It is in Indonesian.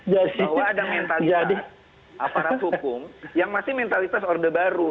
bahwa ada mentalitas aparat hukum yang masih mentalitas order baru